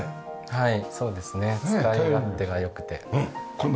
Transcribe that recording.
はい。